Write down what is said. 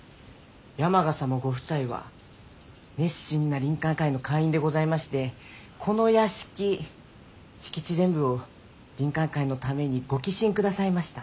山賀様ご夫妻は熱心な林肯会の会員でございましてこの屋敷敷地全部を林肯会のためにご寄進くださいました。